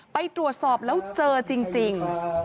ไปตรวจสอบแล้วเจอจริง